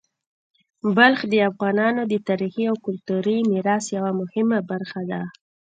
بلخ د افغانانو د تاریخي او کلتوري میراث یوه مهمه برخه ده.